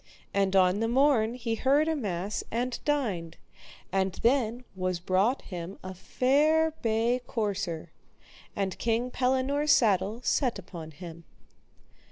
And on the morn he heard a mass and dined; and then was brought him a fair bay courser, and King Pellinore's saddle set upon him.